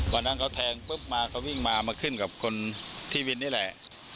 วันนั้นเขาแทงปุ๊บมาก็วิ่งมามาขึ้นกับคนที่วินนี่แหละ